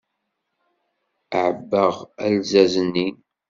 Ɛebbaɣ alzazen-nni.